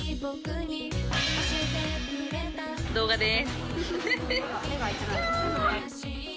動画です。